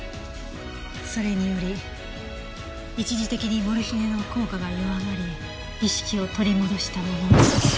それにより一時的にモルヒネの効果が弱まり意識を取り戻したものの。